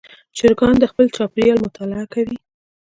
چرګان د خپل چاپېریال مطالعه کوي.